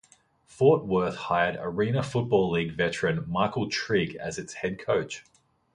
Fort Worth hired Arena Football League veteran Michael Trigg as its head coach.